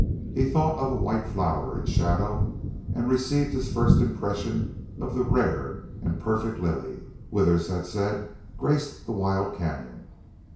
He thought of a white flower in shadow, and received his first impression of the rare and perfect lily Withers had said graced the wild cañon.